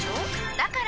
だから！